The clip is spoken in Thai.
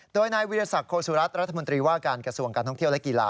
โดยนายวิทยาศักดิโคสุรัตน์รัฐมนตรีว่าการกระทรวงการท่องเที่ยวและกีฬา